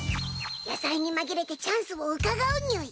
野菜に紛れてチャンスをうかがうにゅい！